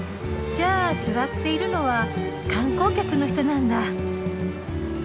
じゃあ座っているのは観光客の人なんだ。